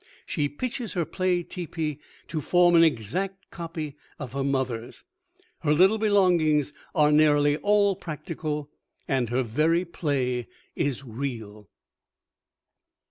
She pitches her play teepee to form an exact copy of her mother's. Her little belongings are nearly all practical, and her very play is real!